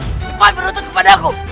cepat berutut kepada aku